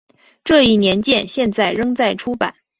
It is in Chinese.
这一年鉴现在仍在出版。